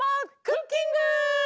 「クッキング」！